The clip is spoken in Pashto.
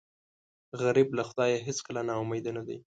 غریب له خدایه هېڅکله نا امیده نه دی